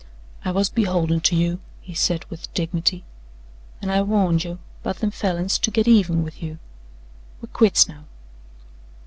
"I was beholden to you," he said with dignity, "an' I warned you 'bout them Falins to git even with you. We're quits now."